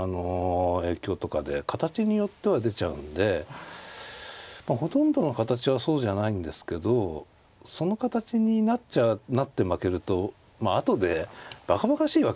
影響とかで形によっては出ちゃうんでほとんどの形はそうじゃないんですけどその形になって負けるとまあ後でばかばかしいわけですよ。